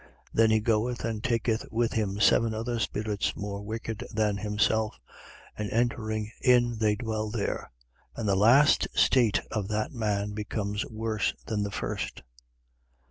11:26. Then he goeth and taketh with him seven other spirits more wicked than himself: and entering in they dwell there. And the last state of that man becomes worse than the first.